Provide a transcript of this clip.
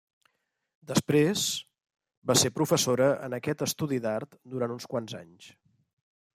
Després, va ser professora en aquest Estudi d’Art durant uns quants anys.